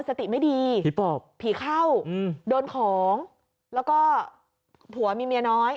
สติไม่ดีผีปอบผีเข้าโดนของแล้วก็ผัวมีเมียน้อย